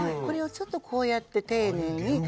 これをちょっとこうやって丁寧に。